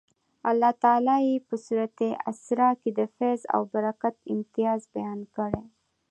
الله تعالی یې په سورة الاسرا کې د فیض او برکت امتیاز بیان کړی.